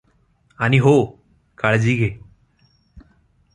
आणि हो...काळजी घे..